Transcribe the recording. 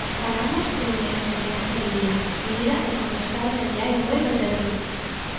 Falamos dende a experiencia vivida, vivida e contrastada dende hai moito tempo.